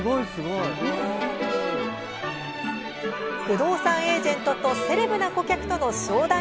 不動産エージェントとセレブな顧客との商談